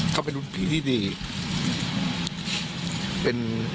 ก็เป็นรุ่นพี่ที่ดีเป็น